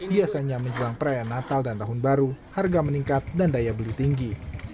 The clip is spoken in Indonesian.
biasanya menjelang perayaan natal dan tahun baru harga meningkat dan daya beli tinggi